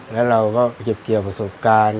แล้วเราก็เก็บเกี่ยวประสบการณ์